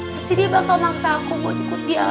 pasti dia bakal maksa aku buat ikut dia lagi